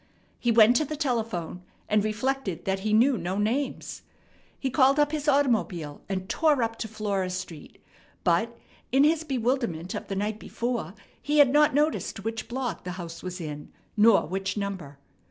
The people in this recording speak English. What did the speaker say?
He went to the telephone, and reflected that he knew no names. He called up his automobile, and tore up to Flora Street; but in his bewilderment of the night before he had not noticed which block the house was in, nor which number.